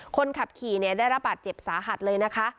คนขับขี่ได้รับบาดเจ็บสาหัสเลยนะคะ